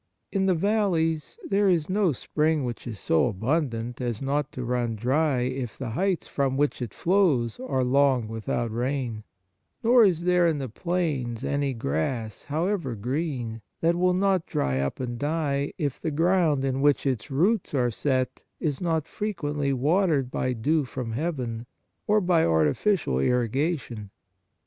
In the valleys there is no spring which is so abundant as not to run dry, if the heights from which it flows are long without rain ; nor is there in the plains any grass, however green, that will not dry up and die, if the ground in which its roots are set is not frequently watered by dew from heaven or by artificial irriga tion.